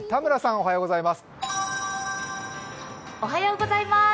おはようございま